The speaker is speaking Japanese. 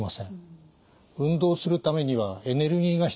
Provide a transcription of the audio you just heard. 運動するためにはエネルギーが必要です。